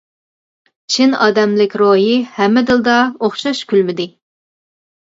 چىن ئادەملىك روھى ھەممە دىلدا ئوخشاش كۈلمىدى.